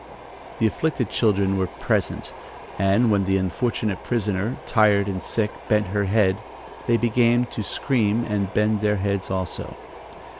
The afflicted children were present, and when the unfortunate prisoner, tired and sick, bent her head, they began to scream and bent their heads also.